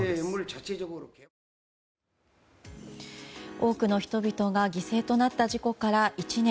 多くの人々が犠牲になった事故から１年。